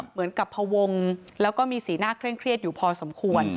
เหมือนกับพวงแล้วก็มีสีหน้าเคร่งเครียดอยู่พอสมควร